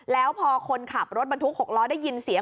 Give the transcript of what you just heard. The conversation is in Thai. แล้วพอคนขับรถบรรทุก๖ล้อได้ยินเสียง